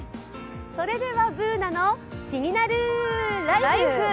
それでは「ＢｏｏｎａのキニナルＬＩＦＥ」